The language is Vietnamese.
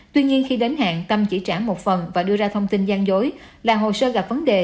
tuy nhiên khi đến hạn tâm chỉ trả một phần và đưa ra thông tin gian dối là hồ sơ gặp vấn đề